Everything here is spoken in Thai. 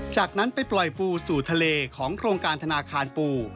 จากนั้นไปปล่อยปูสู่ทะเลของโครงการธนาคารปู